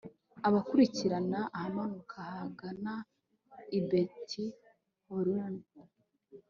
abakurikirana ahamanuka hagana i betihoroni